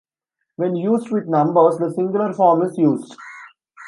When used with numbers, the singular form is used.